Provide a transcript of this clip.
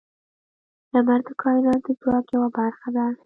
• لمر د کائنات د ځواک یوه برخه ده.